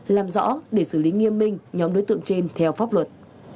làm rõ để xử lý nghiêm minh nhóm đối tượng trên theo pháp luật